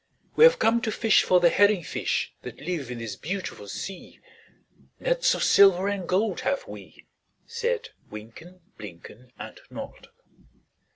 "We have come to fish for the herring fish That live in this beautiful sea; Nets of silver and gold have we," Said Wynken, Blynken, And Nod.